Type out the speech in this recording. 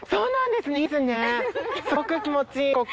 すごく気持ちいいここ。